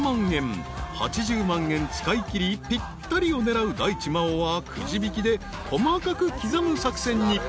円使いきりぴったりを狙う大地真央はくじ引きで細かく刻む作戦に］